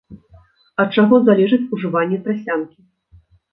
Ад чаго залежыць ужыванне трасянкі.